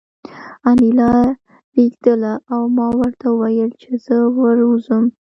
انیلا رېږېدله او ما ورته وویل چې زه ور ووځم